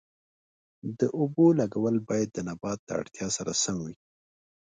د اوبو لګول باید د نبات د اړتیا سره سم وي.